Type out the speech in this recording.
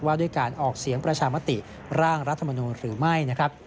ว่าด้วยการออกเสียงประชามติร่างรัฐมนูลหรือไม่นะครับ